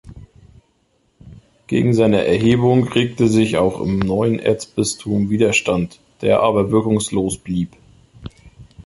Gegen seine Erhebung regte sich auch im neuen Erzbistum Widerstand, der aber wirkungslos blieb.